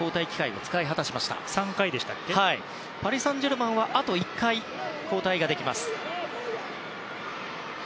パリ・サンジェルマンはあと１回、交代できます。